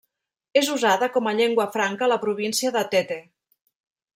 És usada com a llengua franca a la província de Tete.